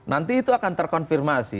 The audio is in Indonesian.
nanti itu akan terkonfirmasi